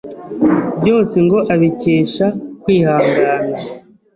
byose ngo abikesha kwihangana.